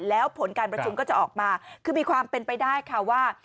แล้วผลการประชุมก็จะออกมาคือมีความเป็นไปได้ค่ะว่า